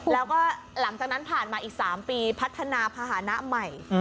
แล้วก็หลังจากนั้นผ่านมาอีก๓ปีพัฒนาภาษณะใหม่